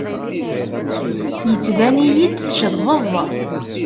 Yettban-iyi-d teccḍeḍ.